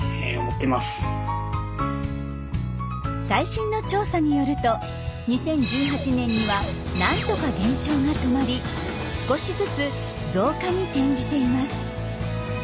最新の調査によると２０１８年には何とか減少が止まり少しずつ増加に転じています。